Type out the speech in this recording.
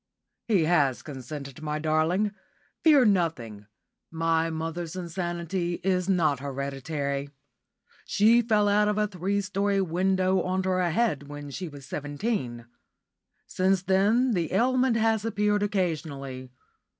"He has consented, my darling. Fear nothing. My mother's insanity is not hereditary. She fell out of a three storey window on to her head when she was seventeen. Since then the ailment has appeared occasionally.